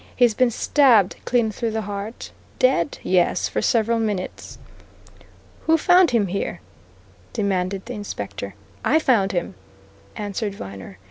"He's been stabbed clean through the heart. Dead? Yes, for several minutes." "Who found him here?" demanded the inspector. "I found him," answered Viner.